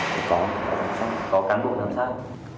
thì có có giám sát có cán bộ giám sát